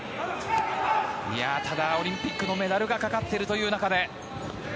ただ、オリンピックのメダルがかかっているという中で。